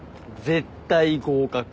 絶対合格。